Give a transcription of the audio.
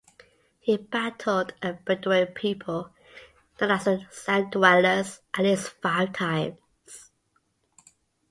He battled a Bedouin people known as the sand-dwellers at least five times.